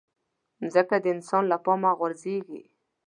مځکه د انسان له پامه غورځيږي.